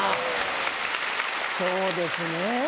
そうですね。